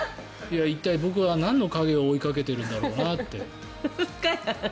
一体、僕はなんの影を追いかけてるんだろうなって。